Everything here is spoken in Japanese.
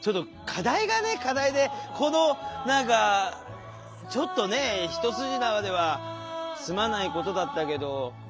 課題でこの何かちょっとね一筋縄では済まないことだったけど。